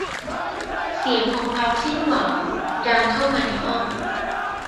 เสียงของความสิ้นหวังดังเข้ามาในห้อง